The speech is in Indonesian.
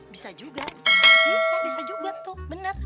bisa juga bisa bisa juga tuh benar